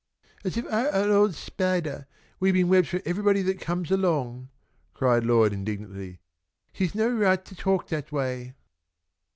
"As if I were an old spidah, weaving webs for everybody that comes along!" cried Lloyd, indignantly. "She's no right to talk that way."